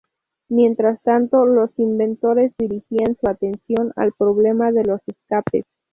Mientras tanto, los inventores dirigían su atención al problema de los escapes.